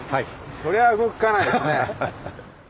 そりゃあ動かないですね。